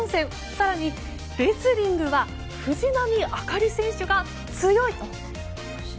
更にレスリングは藤波朱理選手が強い。